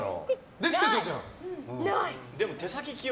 できてたじゃん。